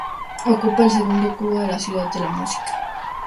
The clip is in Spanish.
Ocupa el segundo cubo de la Ciudad de la Música.